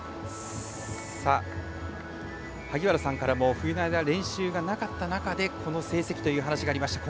さあ萩原さんからも冬の間練習がなかった中でこの成績という話がありました。